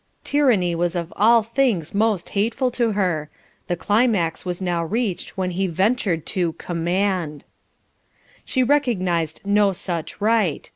Tyranny was of all things most hateful to her; the climax was now reached when he ventured "to command." "She recognised no such right.